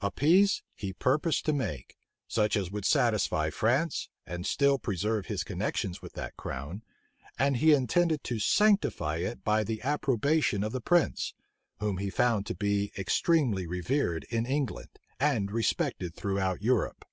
A peace he purposed to make; such as would satisfy France, and still preserve his connections with that crown; and he intended to sanctify it by the approbation of the prince, whom he found to be extremely revered in England, and respected throughout Europe.